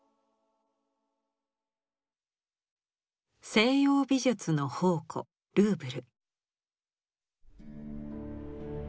西洋美術の宝庫ルーブル。